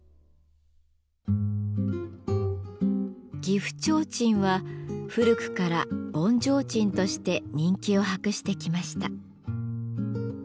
岐阜提灯は古くから盆提灯として人気を博してきました。